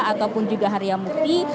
ataupun juga hariamukti